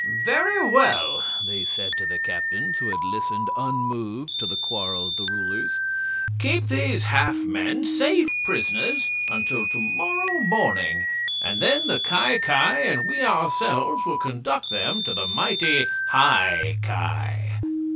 "Very well!" they said to the captains, who had listened unmoved to the quarrel of the rulers; "keep these half men safe prisoners until to morrow morning, and then the Ki Ki and we ourselves will conduct them to the mighty High Ki."